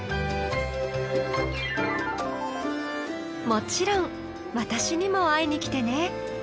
もちろん私にも会いに来てね。